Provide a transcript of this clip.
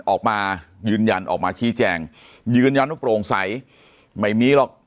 ออกมายืนยันออกมาชี้แจงยืนยันว่าโปร่งใสไม่มีหรอก